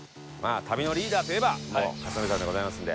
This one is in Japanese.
旅のリーダーといえば克典さんでございますので。